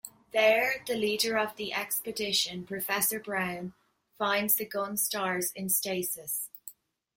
There, the leader of the expedition, Professor Brown, finds the Gunstars in stasis.